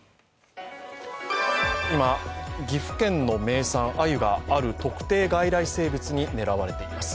今、岐阜県の名産、あゆがある特定外来生物に狙われています。